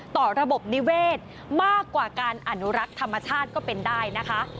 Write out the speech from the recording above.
ต่อระบบนิเวศมากกว่าการอนุรักษ์ธรรมชาติก็เป็นได้นะคะ